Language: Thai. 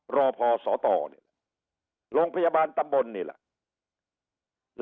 รอพอสอต่อโรงพยาบาลตำบลนี่แหละ